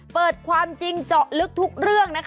เปิดความจริงเจาะลึกทุกเรื่อง